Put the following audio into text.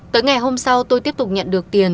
tới ngày hôm sau tôi tiếp tục nhận được tiền